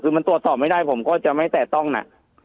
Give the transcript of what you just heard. คือมันตรวจสอบไม่ได้ผมก็จะไม่แตะต้องน่ะ